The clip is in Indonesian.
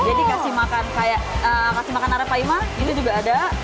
jadi kasih makan kayak kasih makan arah pak ima ini juga ada